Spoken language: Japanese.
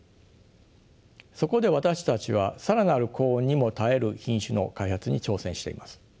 そこで私たちは更なる高温にも耐える品種の開発に挑戦しています。